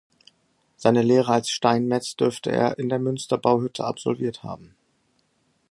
Seine Lehre als Steinmetz dürfte er in der Münsterbauhütte absolviert haben.